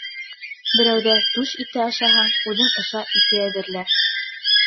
Берәүҙә түш ите ашаһаң, үҙең оса ите әҙерлә.